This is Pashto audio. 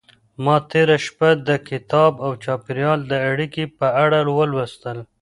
ما تېره شپه د کتاب او چاپېريال د اړيکې په اړه ولوستل.